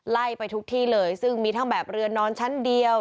ไล่ไปทุกที่เลยซึ่งมีทั้งแบบเรือนนอนชั้นเดียว